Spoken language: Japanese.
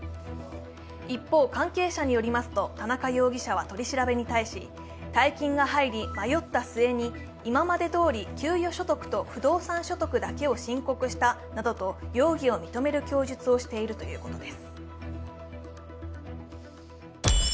一方、関係者によりますと田中容疑者は取り調べに対し、大金が入り、迷った末に今までどおり給与所得と不動産所得だけを申告したと容疑を認める供述をしているということです。